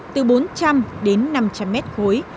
từ bốn trăm linh đến năm trăm linh mét khối